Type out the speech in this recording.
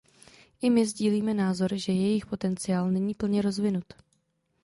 I my sdílíme názor, že jejich potenciál není plně rozvinut.